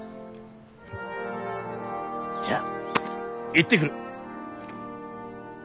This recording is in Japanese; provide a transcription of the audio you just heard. じゃあ行ってくる。